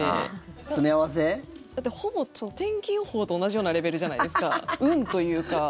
詰め合わせ？だって、ほぼ天気予報と同じようなレベルじゃないですか運というか。